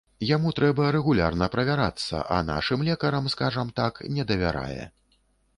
Яму трэба рэгулярна правярацца, а нашым лекарам, скажам так, не давярае.